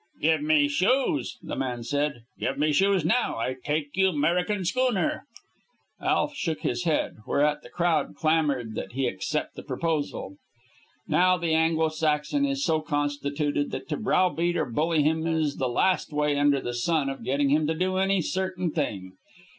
"Give me shoes," the man said. "Give me shoes now. I take you 'Merican schooner." Alf shook his head, whereat the crowd clamored that he accept the proposal. Now the Anglo Saxon is so constituted that to browbeat or bully him is the last way under the sun of getting him to do any certain thing.